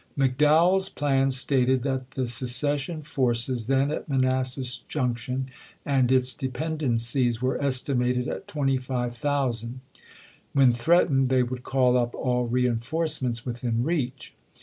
McDowell's plan stated that the secession forces then at Manassas Junction and its dependencies were estimated at 25,000. When threatened they would call up all reenforcements within reach.